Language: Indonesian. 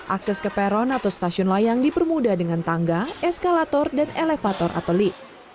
akses ke peron atau stasiun layang dipermudah dengan tangga eskalator dan elevator atau lift